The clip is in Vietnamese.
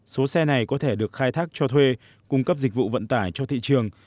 số xe này có thể được khai thác cho thuê cung cấp dịch vụ vận tải cho thị trường